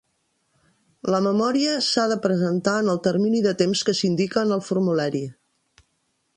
La memòria s'ha de presentar en el termini de temps que s'indica en el formulari.